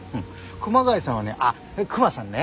熊谷さんはねあっクマさんね。